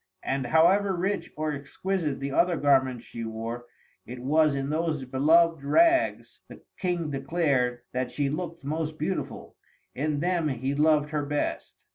And, however rich or exquisite the other garments she wore, it was in those beloved rags, the King declared, that she looked most beautiful. In them he loved her best.